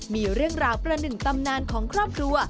มีเรื่องราวประหนึ่งตำนานของครอบครัว